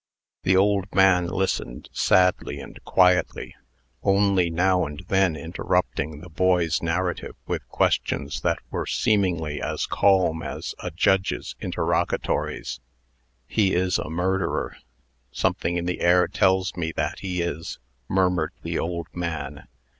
The old man listened sadly and quietly; only now and then interrupting the boy's narrative with questions that were seemingly as calm as a judge's interrogatories. "He is a murderer. Something in the air tells me that he is," murmured the old man.